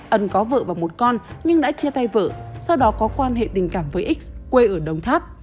ân có vợ và một con nhưng đã chia tay vợ sau đó có quan hệ tình cảm với x quê ở đồng tháp